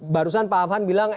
barusan pak afhan bilang